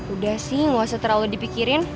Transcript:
udah sih nggak usah terlalu dipikirin